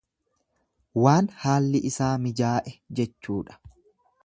Waan haalli isaa mijaa'e jechuudha.